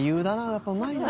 やっぱうまいな。